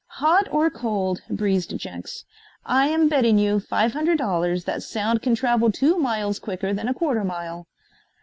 "Hot or cold," breezed Jenks, "I am betting you five hundred dollars that sound can travel two miles quicker than a quarter mile."